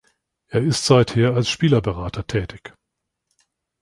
Er ist seither als Spielerberater tätig.